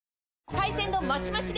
海鮮丼マシマシで！